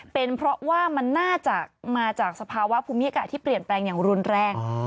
เป็นเพราะว่ามันน่าจะมาจากสภาวะภูมิอากาศที่เปลี่ยนแปลงอย่างรุนแรง